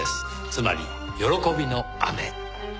つまり「喜びの雨」。